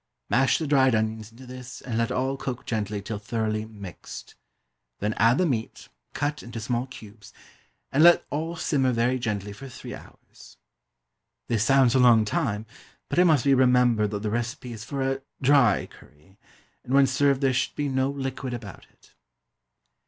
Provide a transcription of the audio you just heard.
Mash the dried onions into this, and let all cook gently till thoroughly mixed. Then add the meat, cut into small cubes, and let all simmer very gently for three hours. This sounds a long time, but it must be remembered that the recipe is for a dry curry; and when served there should be no liquid about it.